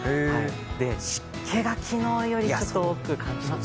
湿気が昨日よりちょっと多く感じますね。